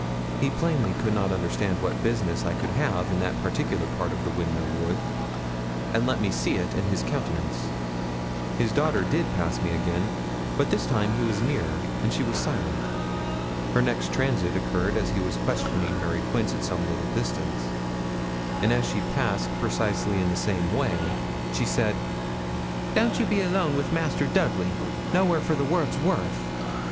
He plainly could not understand what business I could have in that particular part of the Windmill Wood, and let me see it in his countenance. His daughter did pass me again; but this time he was near, and she was silent. Her next transit occurred as he was questioning Mary Quince at some little distance; and as she passed precisely in the same way, she said 'Don't you be alone wi' Master Dudley nowhere for the world's worth.'